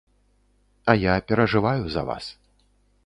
А я перажываю за вас.